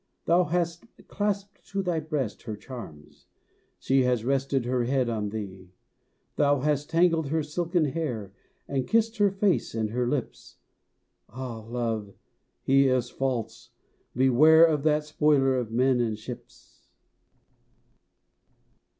Thou hast clasped to thy breast her charms; She has rested her head on thee. Thou hast tangled her silken hair, And kissed her face and her lips Ah! Love, he is false! Beware Of that spoiler of men and ships!